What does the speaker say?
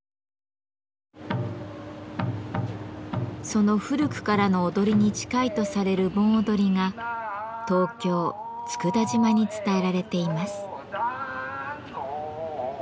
その古くからの踊りに近いとされる盆踊りが東京・佃島に伝えられています。